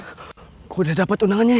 kok udah dapat undangannya nih